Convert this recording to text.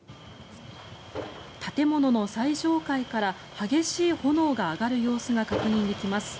建物の最上階から激しい炎が上がる様子が確認できます。